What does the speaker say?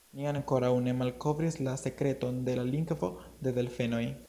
Ni ankoraŭ ne malkovris la sekreton de la lingvo de delfenoj.